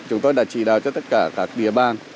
chúng tôi đã chỉ đạo cho tất cả các địa bàn